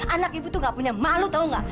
anak ibu tuh gak punya malu tahu nggak